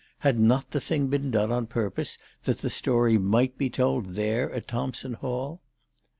Had not the thing been done on purpose that the story might be told there at Thompson Hall